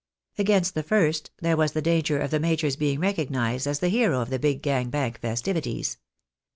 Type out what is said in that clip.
Against the first, there was the danger of the major's being recognised as the hero of the Big Gang Bank festivities.